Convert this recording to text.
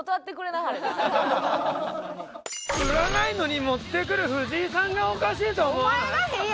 売らないのに持ってくるフジイさんがおかしいと思わない？